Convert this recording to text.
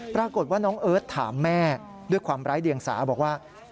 ปรากฏว่าน้องเอิทถามแม่ด้วยความร้ายเดี่ยงสาว